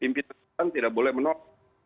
pimpinan tidak boleh menolak